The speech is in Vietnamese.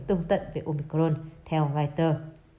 tương tận về omicron theo writer